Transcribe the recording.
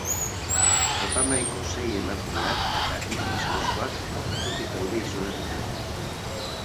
Epaimahaiko sei emakumeak eta hiru gizonezkoak atzotik daude isolatuta.